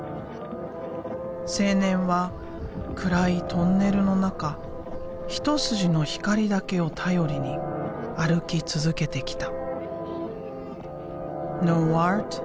青年は暗いトンネルの中一筋の光だけを頼りに歩き続けてきた。